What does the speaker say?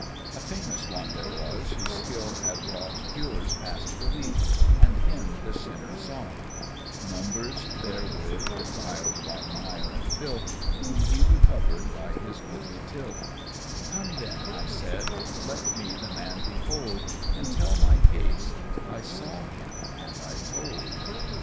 "A famous one there was, whose skill had wrought Cures past belief, and him the sinners sought; Numbers there were defiled by mire and filth, Whom he recovered by his goodly tilth: 'Come then,' I said, 'let me the man behold, And tell my case:' I saw him and I told.